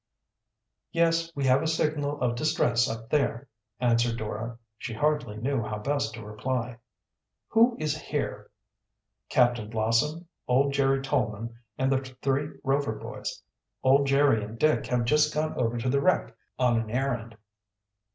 "Yes, we have a signal of distress up there," answered Dora. She hardly knew how best to reply. "Who is here?" "Captain Blossom, old Jerry Tolman, and the three Rover boys. Old Jerry and Dick have just gone over to the wreck en an errand.